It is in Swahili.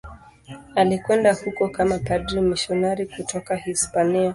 Alikwenda huko kama padri mmisionari kutoka Hispania.